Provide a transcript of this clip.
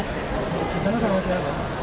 besarnya sama siapa